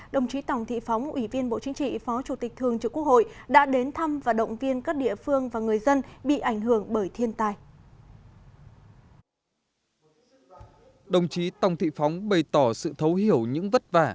đồng chí tòng thị phóng bày tỏ sự thấu hiểu những vất vả